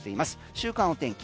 週間の天気。